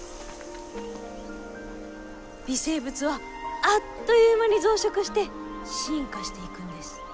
微生物はあっという間に増殖して進化していくんです。